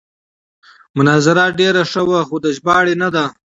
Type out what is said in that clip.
مناظره ډېره ښه وه خو د ژباړې نه ده.